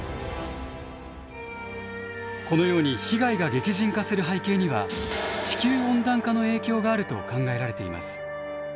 このように被害が激甚化する背景には地球温暖化の影響があると考えられています。